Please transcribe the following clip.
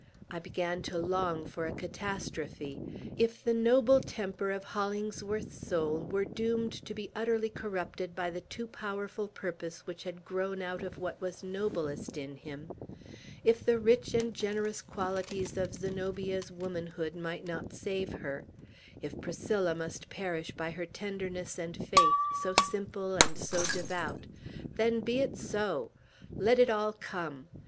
I began to long for a catastrophe. If the noble temper of Hollingsworth's soul were doomed to be utterly corrupted by the too powerful purpose which had grown out of what was noblest in him; if the rich and generous qualities of Zenobia's womanhood might not save her; if Priscilla must perish by her tenderness and faith, so simple and so devout, then be it so! Let it all come!